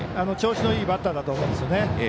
調子のいいバッターだと思うんですよね。